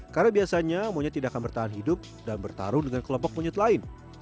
karena biasanya monyet tidak akan bertahan hidup dan bertarung dengan kelompok monyet lain